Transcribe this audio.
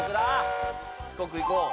四国いこう。